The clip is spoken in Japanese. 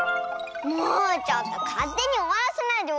もうちょっとかってにおわらせないでよオフロスキーさん。